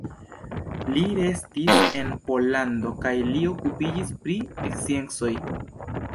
Li restis en Pollando kaj li okupiĝis pri sciencoj.